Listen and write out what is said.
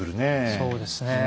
そうですね。